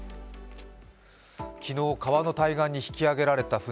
昨日、川の対岸に引き揚げられた舟。